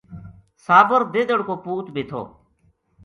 صابر دیدڑھ کو پُوت بے تھو